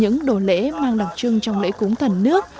những đồ lễ mang đặc trưng trong lễ cúng thần nước